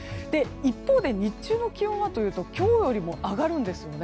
一方で日中の気温はというと今日よりも上がるんです。